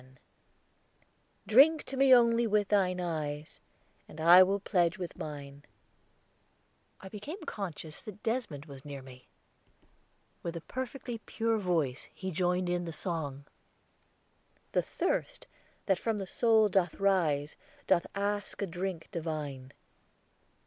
Singing "Drink to me only with thine eyes, And I will pledge with mine," I became conscious that Desmond was near me. With a perfectly pure voice he joined in the song: "The thirst that from the soul doth rise, Doth ask a drink divine."